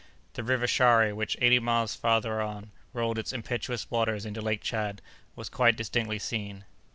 The river Shari, which eighty miles farther on rolled its impetuous waters into Lake Tchad, was quite distinctly seen.